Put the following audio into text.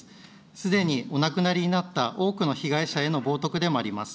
すでにお亡くなりになった多くの被害者への冒とくでもあります。